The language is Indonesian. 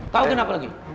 kau kenapa lagi